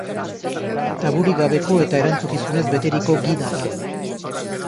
Taburik gabeko eta erantzukizunez beteriko gida da.